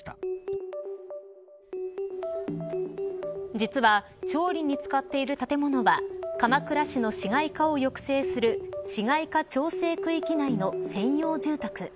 実は調理に使っている建物は鎌倉市の市街化を抑制する市街化調整区域内の専用住宅。